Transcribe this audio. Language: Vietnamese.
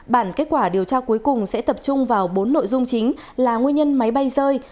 bản kết quả điều tra cuối cùng sẽ tập trung vào bốn nội dung chính là nguyên nhân máy bay rơi